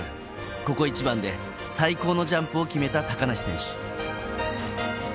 ここ一番で最高のジャンプを決めた高梨選手。